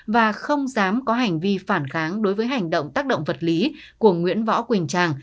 và không dám có hành vi phản kháng đối với hành động tác động vật lý của nguyễn võ quỳnh trang